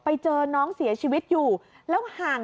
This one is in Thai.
ป้าของน้องธันวาผู้ชมข่าวอ่อน